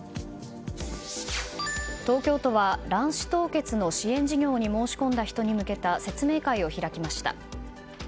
東京都は卵子凍結の支援事業に申し込んだ人に向けた説明会を開きました。